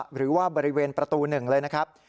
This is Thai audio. หรือว่าบริเวณประตู๑เลยนะครับ